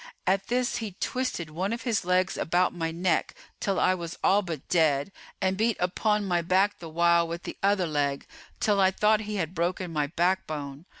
At this he twisted one of his legs about my neck, till I was all but dead, and beat upon my back the while with the other leg, till I thought he had broken my backbone.